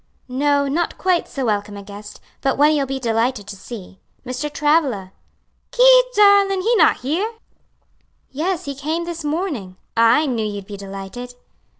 "No, not quite so welcome a guest; but one you'll be delighted to see. Mr. Travilla." "Ki, darlin'! he not here?" "Yes, he came this morning. Ah! I knew you'd be delighted."